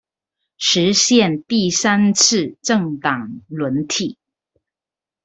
實現第三次政黨輪替